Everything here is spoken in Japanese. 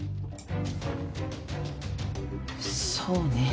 そうね。